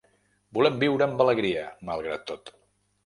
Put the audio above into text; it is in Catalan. Volem viure amb alegria, malgrat tot.